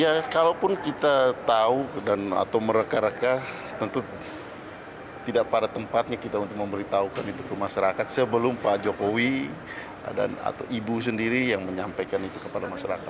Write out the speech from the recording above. ya kalaupun kita tahu atau mereka reka tentu tidak pada tempatnya kita untuk memberitahukan itu ke masyarakat sebelum pak jokowi dan atau ibu sendiri yang menyampaikan itu kepada masyarakat